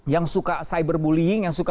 yang suka cyberbullying yang suka